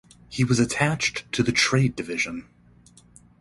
He was attached to the trade division.